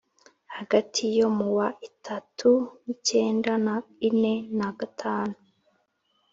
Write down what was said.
hagati yo mu wa itatu nicyenda na ine na gatanu